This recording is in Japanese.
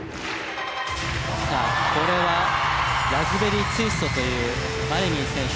さあこれは「ラズベリーツイスト」というマリニン選手